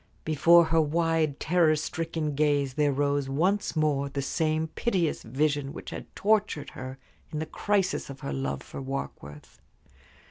Before her wide, terror stricken gaze there rose once more the same piteous vision which had tortured her in the crisis of her love for Warkworth.